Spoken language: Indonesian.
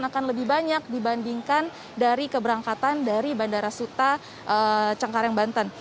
akan lebih banyak dibandingkan dari keberangkatan dari bandara suta cengkareng banten